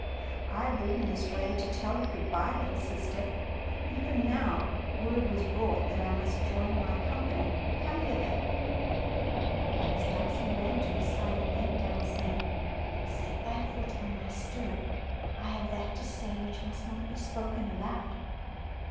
" I have ridden this way to tell you good bye, little sister. Even now word was brought that I must join my com pany. Come hither ''; and as Dicey X'an to his side he bent down, saying, '^Set thy foot on my stirrup, I have 240 DICEY LANGSTON that to say which must not be spoken aloud."